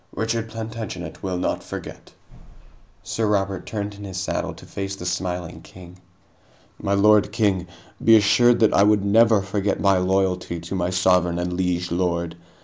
Richard Plantagenet will not forget." Sir Robert turned in his saddle to face the smiling king. "My lord king, be assured that I would never forget my loyalty to my sovereign and liege lord.